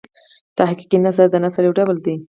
تحقیقي نثر د نثر یو ډول دﺉ.